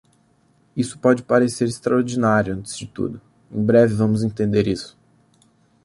Isso pode parecer extraordinário antes de tudo; em breve vamos entender isso.